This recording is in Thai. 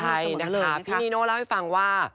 ใช่นะคะพี่นีโน่เล่าให้ฟังว่า